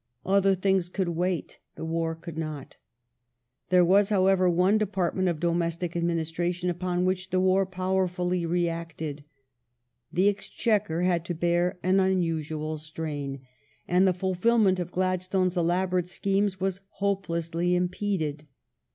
Other things could wait, the war could not. There was, however, one department of domestic administration upon which the war powerfully reacted. The Ex chequer had to bear an unusual strain and the fulfilment of Gladstone's elaborate schemes was hopelessly impeded.